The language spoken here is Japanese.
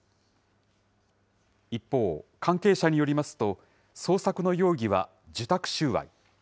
一方、関係者によりますと、捜索の容疑は受託収賄。